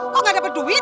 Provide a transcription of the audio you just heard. kok gak dapet duit